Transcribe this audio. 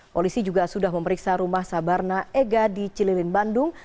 polisi juga sudah memeriksa rumah sabarna ega di ciliwin bandung